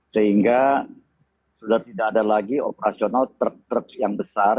sehingga sudah tidak ada lagi operasional truk truk yang besar